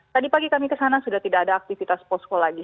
tadi pagi kami kesana sudah tidak ada aktivitas posko lagi